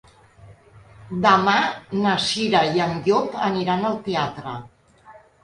Demà na Cira i en Llop aniran al teatre.